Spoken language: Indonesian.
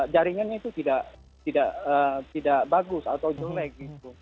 jaringannya itu tidak bagus atau jelek gitu